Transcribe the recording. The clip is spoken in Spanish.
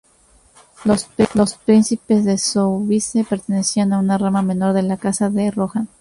Los príncipes de Soubise pertenecían a una rama menor de la Casa de Rohan.